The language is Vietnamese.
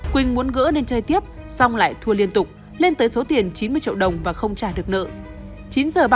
quỳnh muốn gỡ nên chơi tiếp xong lại thua liên tục lên tới số tiền chín mươi triệu đồng và không trả được nợ